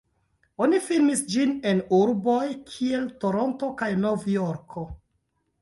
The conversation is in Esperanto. Oni filmis ĝin en urboj kiel Toronto kaj Nov-Jorko.